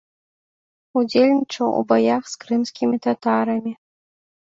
Удзельнічаў у баях з крымскімі татарамі.